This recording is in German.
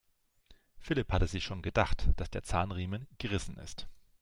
Philipp hatte sich schon gedacht, dass der Zahnriemen gerissen ist.